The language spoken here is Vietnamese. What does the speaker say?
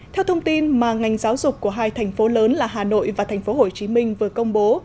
theo thông tin mà ngành giáo dục của hai thành phố lớn là hà nội và tp hcm vừa công bố